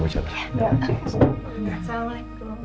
makasih makasih banyak